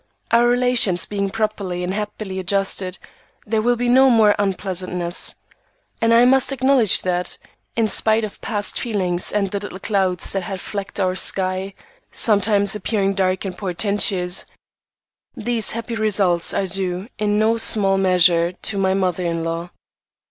Our relations being properly and happily adjusted, there will be no more "unpleasantness." And I must acknowledge that, in spite of past feelings and the little clouds that have flecked our sky, sometimes appearing dark and portentous, these happy results are due in no small measure to MY MOTHER IN LAW.